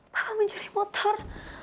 bapak mencuri motor